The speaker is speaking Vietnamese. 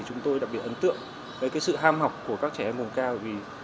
chúng tôi đặc biệt ấn tượng sự ham học của các trẻ em nguồn cao